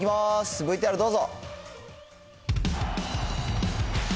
ＶＴＲどうぞ。